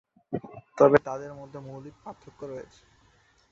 তবে তাদের মধ্যে মৌলিক পার্থক্য রয়েছে।